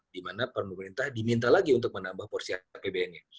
di mana pemerintah diminta lagi untuk menambah porsi apbnnya